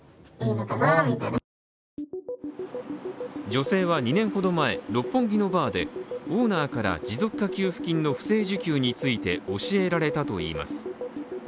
女性は２年ほど前、六本木のバーでオーナーから持続化給付金の不正受給について教えられたといいます。